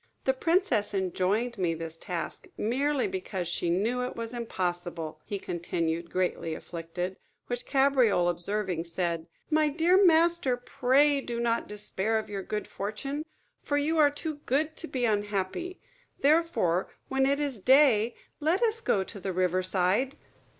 The princess enjoined me this task, merely because she knew it was impossible," he continued, greatly afflicted; which Cabriole observing, said, "My dear master, pray do not despair of your good fortune; for you are too good to be unhappy. Therefore, when it is day, let us go to the river side."